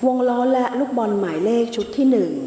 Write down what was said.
ล้อและลูกบอลหมายเลขชุดที่๑